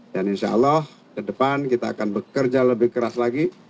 dan insyaallah ke depan kita akan bekerja lebih keras lagi